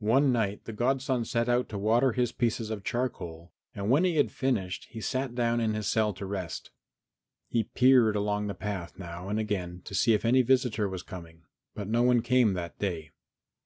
XI One night the godson set out to water his pieces of charcoal and when he had finished he sat down in his cell to rest. He peered along the path now and again to see if any visitor was coming, but no one came that day.